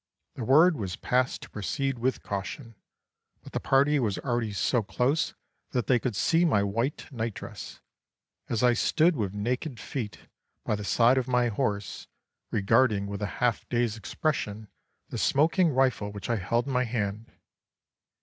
The word was passed to proceed with caution, but the party was already so close that they could see my white night dress, as I stood with naked feet by the side of my horse, regarding, with a half dazed expression, the smoking rifle which I held in my hand.